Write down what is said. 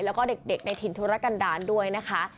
แล้วก็เด็กในถิ่นธุรกันดาลด้วยนะคะ